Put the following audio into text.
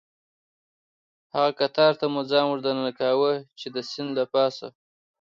هغه قطار ته مو ځان وردننه کاوه، چې د سیند له پاسه.